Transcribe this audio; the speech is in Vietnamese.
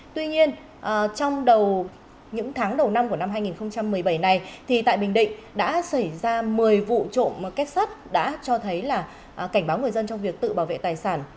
tuy nhiên trong những tháng đầu năm của năm hai nghìn một mươi bảy này thì tại bình định đã xảy ra một mươi vụ trộm kết sắt đã cho thấy là cảnh báo người dân trong việc tự bảo vệ tài sản